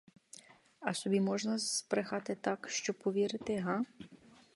А собі можна збрехати так, щоб повірити, га?